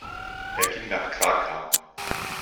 Er ging nach Krakau.